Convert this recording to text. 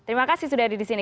terima kasih sudah ada di sini